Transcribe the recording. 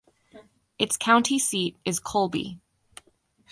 Its county seat is Colby.